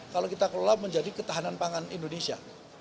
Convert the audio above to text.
kalau kita kelola menjadi ketahanan pangan indonesia